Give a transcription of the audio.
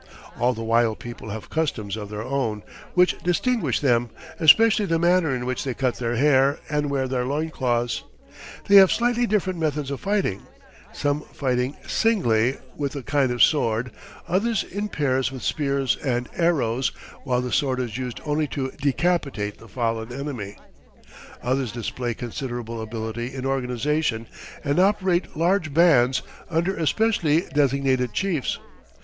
All the wild people have customs of their own, which distinguish them, especially the manner in which they cut their hair and wear their loin cloths. They have slightly different methods of fighting, some fighting singly with a kind of sword, others in pairs with spears and arrows, while the sword is used only to decapitate the fallen enemy. Others display considerable ability in organization and operate large bands, under especially designated chiefs.